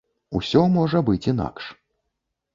Усё можа быць інакш.